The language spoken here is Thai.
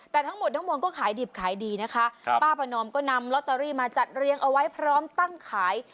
แต่ทั้งหมดทั้งมวลก็ขายดิบขายดีนะคะป้าประนอมก็นำลอตเตอรี่มาจัดเรียงเอาไว้พร้อมตั้งขาย